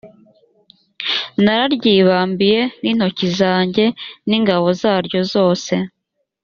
nararyibambiye n intoki zanjye n ingabo zaryo zose